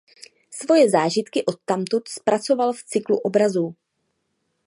Svoje zážitky odtamtud zpracoval v cyklu obrazů.